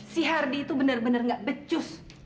si hardy itu bener bener gak becus